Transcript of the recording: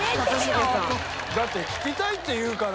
だって聴きたいって言うから。